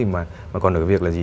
mà còn được cái việc là gì